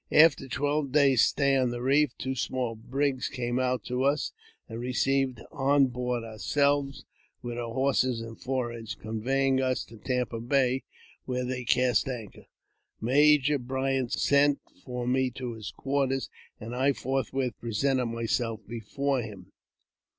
After twelve days' stay on the reef, two small brigs came out to us, and received on board our selves, with our horses and forage, conveying us to Tampa Bay, where they cast anchor. Major Bryant sent for me to his quarters, and I forthwith presented myself before him.